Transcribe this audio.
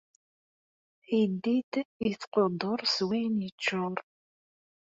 Ayeddid yettqudduṛ s wayen yeččuṛ.